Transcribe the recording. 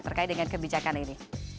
terkait dengan kebijakan ini